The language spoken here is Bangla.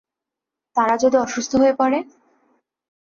তারা যদি অসুস্থ হয়ে পড়ে?